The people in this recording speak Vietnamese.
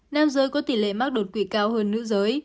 nam giới có tỷ lệ mắc đột quỵ cao hơn nữ giới